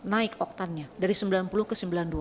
naik oktannya dari sembilan puluh ke sembilan puluh dua